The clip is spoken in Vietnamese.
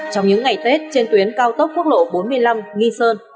trong những ngày tết trên tuyến cao tốc quốc lộ bốn mươi năm nghi sơn